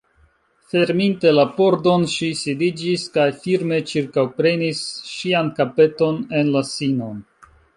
Ferminte la pordon, ŝi sidiĝis kaj firme ĉirkaŭprenis ŝian kapeton en la sinon.